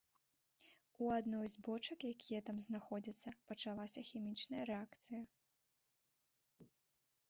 У адной з бочак, якія там знаходзяцца, пачалася хімічная рэакцыя.